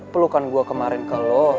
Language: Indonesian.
pelukan gue kemarin ke lo